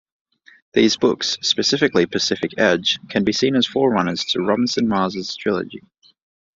These books, especially "Pacific Edge", can be seen as forerunners to Robinson's Mars trilogy.